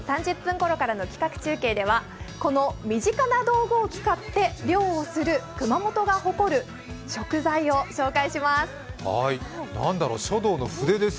７時３０分ごろからの企画中継はこの身近な道具を使って熊本が誇る食材を紹介します。